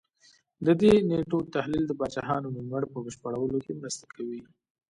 د دې نېټو تحلیل د پاچاهانو نوملړ په بشپړولو کې مرسته کوي